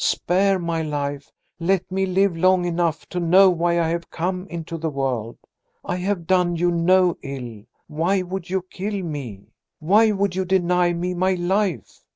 Spare my life, let me live long enough to know why I have come into the world! I have done you no ill, why would you kill me? Why would you deny me my life?'